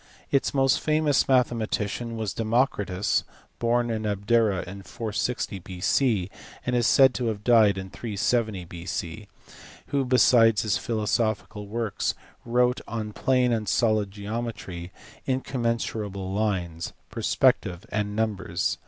Its most famous mathematician was Democritus, born at Abdera in 460 B.C. and said to have died in 370 B.C., who besides his philosophical works wrote on plane and solid geometry, incommensurable lines, perspective, and numbers.